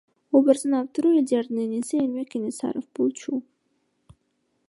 Образдын автору Элдиярдын иниси Эрмек Кененсаров болчу.